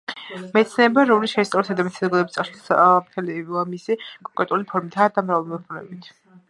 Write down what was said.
მეცნიერება, რომელიც შეისწავლის ადამიანთა საზოგადოების წარსულს მთელი მისი კონკრეტული ფორმებითა და მრავალფეროვნებით.